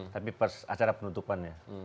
tapi acara penutupannya